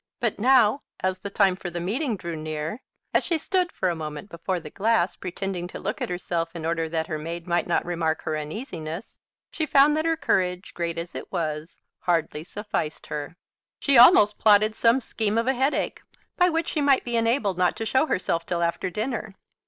But now, as the time for the meeting drew near, as she stood for a moment before the glass, pretending to look at herself in order that her maid might not remark her uneasiness, she found that her courage, great as it was, hardly sufficed her. She almost plotted some scheme of a headache, by which she might be enabled not to show herself till after dinner.